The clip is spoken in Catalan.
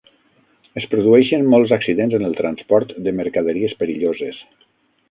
Es produeixen molts accidents en el transport de mercaderies perilloses.